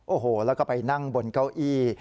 โอ้โหแล้วก็ไปนั่งบนเก้าอี้